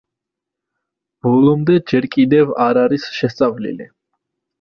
ბოლომდე ჯერ კიდევ არ არის შესწავლილი.